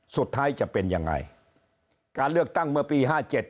สุดท้ายจะเป็นยังไงการเลือกตั้งเมื่อปีห้าเจ็ด